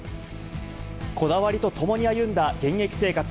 こだわりと共に歩んだ現役生活。